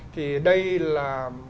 thì đây là